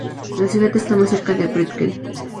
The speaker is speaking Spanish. La ciudad está muy cerca de Bridgend.